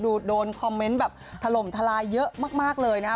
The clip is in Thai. โดนคอมเมนต์แบบถล่มทลายเยอะมากเลยนะครับ